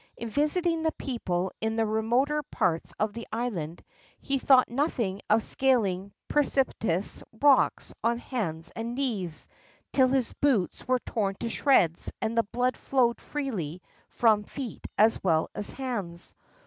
In visiting the people in the remoter parts of the island, he thought nothing of scal ing precipitous rocks on hands and knees, till his boots were torn to shreds and the blood flowed freely from feet as well as hands.